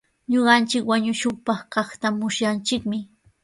Ñuqanchik wañushunpaq kaqta musyanchikmi.